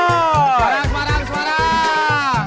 semarang semarang semarang